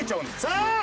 さあ！